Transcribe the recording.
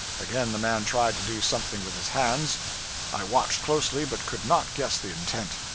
Again the man tried to do something with his hands. I watched closely, but could not guess the intent.